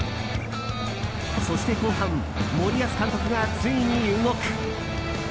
そして後半森保監督がついに動く。